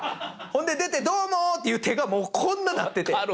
ほんで出て「どうも」っていう手がこんななってて。